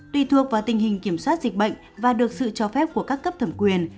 tùy thuộc vào tình hình kiểm soát dịch bệnh và được sự cho phép của các cấp thẩm quyền